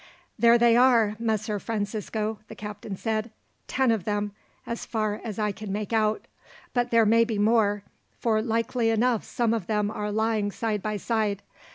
"There they are, Messer Francisco," the captain said. "Ten of them, as far as I can make out; but there may be more, for likely enough some of them are lying side by side.